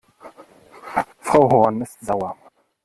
Frau Horn ist sauer.